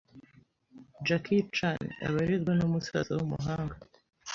Jackie Chan aba arerwa n’umusaza w’umuhanga